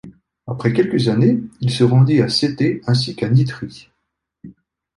Après quelques années, il se rendit à Scété, ainsi qu'à Nitrie.